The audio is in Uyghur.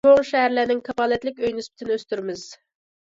چوڭ شەھەرلەرنىڭ كاپالەتلىك ئۆي نىسبىتىنى ئۆستۈرىمىز.